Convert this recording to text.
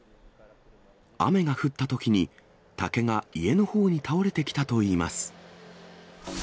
雨が降ったときに、竹が家のほうに倒れてきたといいます。